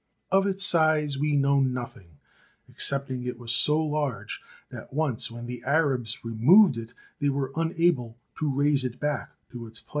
Of its size we know nothing excepting it was so large that once when the Arabs removed it they were unable to raise it back to its place.